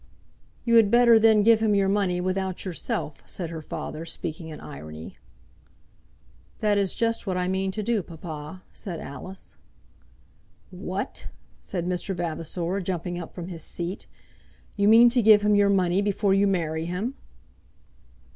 "You had better then give him your money without yourself," said her father, speaking in irony. "That is just what I mean to do, papa," said Alice. "What!" said Mr. Vavasor, jumping up from his seat. "You mean to give him your money before you marry him?"